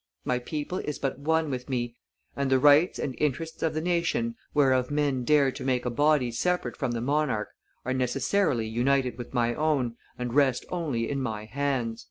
My people is but one with me, and the rights and interests of the nation whereof men dare to make a body separate from the monarch are necessarily united with my own, and rest only in my hands."